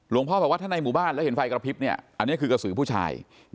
พ่อบอกว่าถ้าในหมู่บ้านแล้วเห็นไฟกระพริบอันนี้คือกระสือผู้ชาย